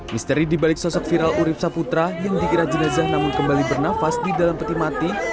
misteri dibalik sosok viral urib saputra yang dikira jenazah namun kembali bernafas di dalam peti mati